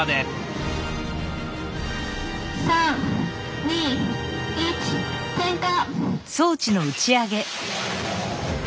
３２１点火！